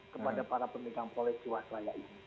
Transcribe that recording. kepada para pendidikan politik waslayak